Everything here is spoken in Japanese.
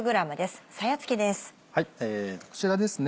こちらですね